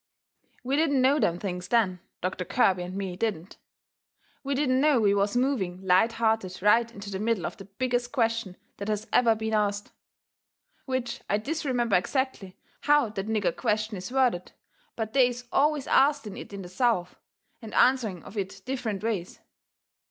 We didn't know them things then, Doctor Kirby and me didn't. We didn't know we was moving light hearted right into the middle of the biggest question that has ever been ast. Which I disremember exactly how that nigger question is worded, but they is always asting it in the South, and answering of it different ways.